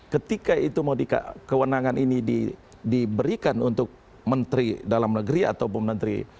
ketika itu mau dikatakan kewenangan ini diberikan untuk menteri dalam negeri atau bum menteri